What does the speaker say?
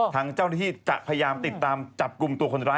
ทางเจ้าหน้าที่จะพยายามติดตามจับกลุ่มตัวคนร้าย